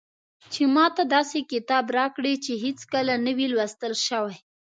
چې ماته داسې کتاب راکړي چې هېڅکله نه وي لوستل شوی.